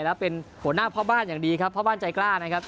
แล้วเป็นหัวหน้าพ่อบ้านอย่างดีครับพ่อบ้านใจกล้านะครับ